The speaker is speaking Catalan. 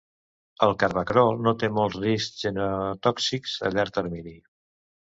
El carvacrol no té molts riscs genotòxics a llarg termini.